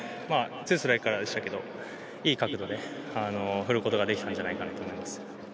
ツーストライクからでしたけどいい角度で振ることができたんじゃないかと思います。